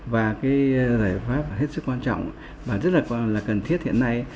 và giải pháp rất quan trọng và rất cần thiết hiện nay